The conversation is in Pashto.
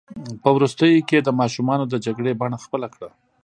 په وروستیو کې یې د ماشومانو د جګړې بڼه خپله کړه.